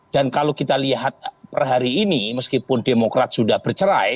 dan kalau kita lihat perhari ini meskipun demokrat sudah bercerai